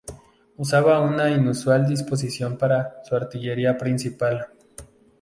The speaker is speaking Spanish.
Usaban una inusual disposición para su artillería principal.